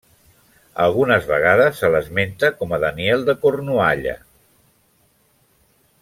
Algunes vegades se l'esmenta com a Daniel de Cornualla.